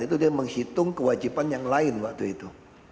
itu dia menghitung kewajiban yang lain waktu itu